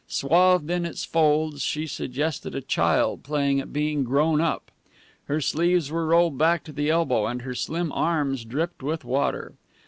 Swathed in its folds, she suggested a child playing at being grown up. Her sleeves were rolled back to the elbow, and her slim arms dripped with water.